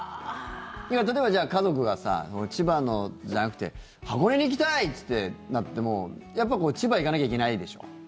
例えば家族が千葉のじゃなくて箱根に行きたい！ってなってもやっぱ千葉行かなきゃいけないでしょ？